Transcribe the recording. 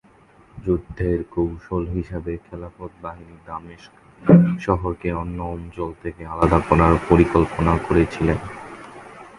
যুদ্ধের কৌশল হিসেবে, খিলাফত বাহিনী দামেস্ক শহরকে অন্য অঞ্চল থেকে আলাদা করার পরিকল্পনা করেছিলেন।